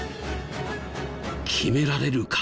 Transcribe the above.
決められるか？